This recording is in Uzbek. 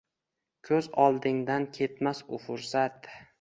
Ko’z oldingdan ketmas u fursat